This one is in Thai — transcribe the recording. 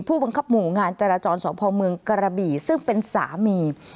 ผู้บังคับหมู่งานจราจรสพเมืองกระบี่ซึ่งเป็นสามี